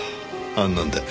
あんなんで。